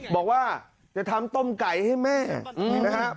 บอกว่าจะทำต้มไก่ให้แม่นะครับ